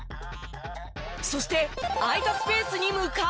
そして空いたスペースに向かう動き